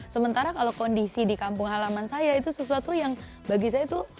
sementara kalau kondisi di kampung halaman saya itu sesuatu yang bagi saya itu